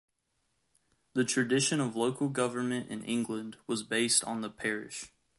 The tradition of local government in England was based on the Parish.